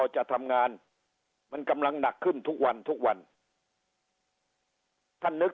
จะทำงานมันกำลังหนักขึ้นทุกวันทุกวันท่านนึก